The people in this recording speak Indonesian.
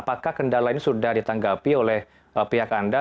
apakah kendala ini sudah ditanggapi oleh pihak anda